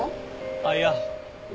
あっいや。